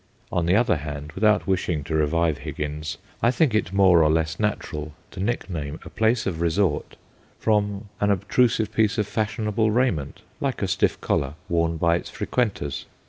On the other hand, without wishing to revive Higgins, I think it more or less natural to nickname a place of resort from an obtrusive piece of fashionable raiment, like a stiff collar, worn by its frequenters.